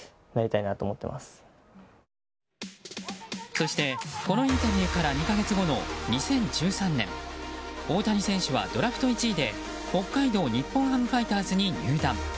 そしてこのインタビューから２か月後の２０１３年大谷選手はドラフト１位で北海道日本ハムファイターズに入団。